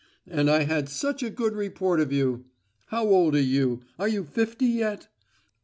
and I had such a good report of you. How old are you? Are you fifty yet?"